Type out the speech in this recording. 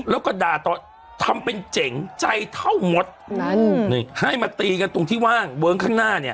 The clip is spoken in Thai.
แล้วก็ด่าต่อทำเป็นเจ๋งใจเท่ามดนั่นนี่ให้มาตีกันตรงที่ว่างเวิ้งข้างหน้าเนี่ย